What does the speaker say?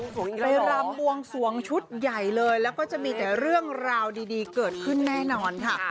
ไปรำบวงสวงชุดใหญ่เลยแล้วก็จะมีแต่เรื่องราวดีเกิดขึ้นแน่นอนค่ะ